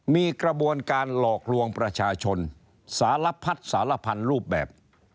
มีกระบวนการหลอกลวงประชาชนสารพัดสารพันธุ์รูปแบบ